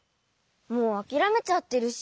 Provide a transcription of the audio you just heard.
もうあきらめちゃってるし。